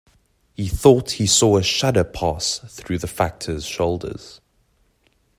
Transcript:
He thought he saw a shudder pass through the Factor's shoulders.